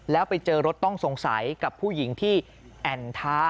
แล้วไปเจอรถต้องสงสัยกับผู้หญิงที่แอ่นท้า